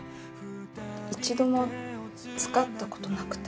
一度も使ったことなくて。